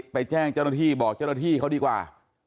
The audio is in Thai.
ไปแจ้งเจ้าหน้าที่บอกเจ้าหน้าที่เขาดีกว่า